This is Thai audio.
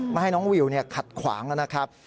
ไม่ให้น้องวิวขัดขวางนะครับ